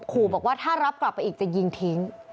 ขู่บอกว่าถ้ารับกลับไปอีกจะยิงทิ้ง